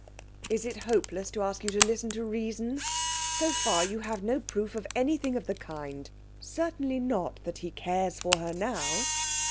'Is it hopeless to ask you to listen to reason? So far you have no proof of anything of the kind. Certainly not that he cares for her now.'